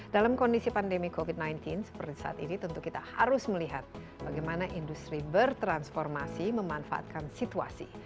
dalam kondisi pandemi covid sembilan belas seperti saat ini tentu kita harus melihat bagaimana industri bertransformasi memanfaatkan situasi